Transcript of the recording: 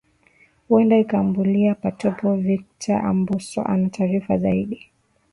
uenda ikaambulia patupu victor ambuso ana taarifa zaidi